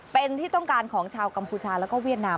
เป็นที่ต้องการของชาวกัมพูชาแล้วก็เวียดนาม